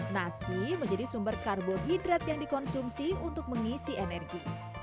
nasi menjadi sumber karbohidrat yang dikonsumsi untuk mengisi energi